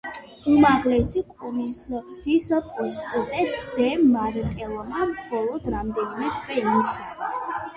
უმაღლესი კომისრის პოსტზე დე მარტელმა მხოლოდ რამდენიმე თვე იმუშავა.